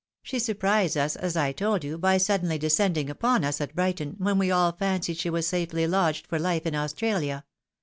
She ' surprised lis, as I told you, by suddenly descending upon us at Brighton, when we all fancied she was safely lodged for life in Australia.